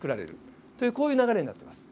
というこういう流れになってます。